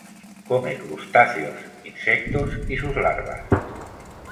Come crustáceos insectos y sus larvas.